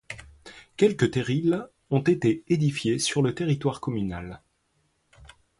Quelques terrils ont été édifiés sur le territoire communal.